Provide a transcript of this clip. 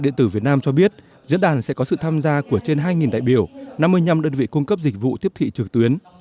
nam cho biết diễn đàn sẽ có sự tham gia của trên hai đại biểu năm mươi năm đơn vị cung cấp dịch vụ tiếp thị trực tuyến